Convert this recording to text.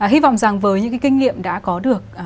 hy vọng rằng với những cái kinh nghiệm đã có được